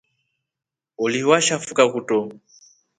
Oli washafuka kutro.